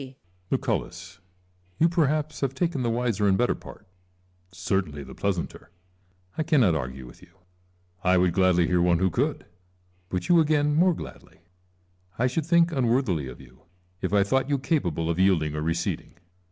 I cannot argue with you : I would gladly hear one who could, but you again more gladly. I should think unworthily of you if I thought you capable of yielding or receding.